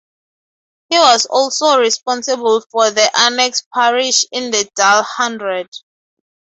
He was also responsible for the annex parish in the Dal Hundred.